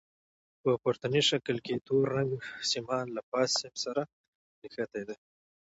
په پورتني شکل کې تور رنګ سیمان له فاز سیم سره نښتي دي.